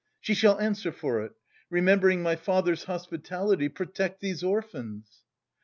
She shall answer for it.... Remembering my father's hospitality protect these orphans."